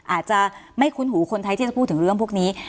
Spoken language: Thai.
อาจจะไม่คุ้นหูคนไทยที่จะพูดถึงเรื่องพวกนี้